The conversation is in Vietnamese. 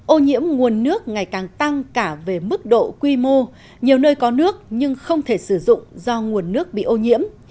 ô nhiễm nguồn nước ngày càng tăng cả về mức độ quy mô nhiều nơi có nước nhưng không thể sử dụng do nguồn nước bị ô nhiễm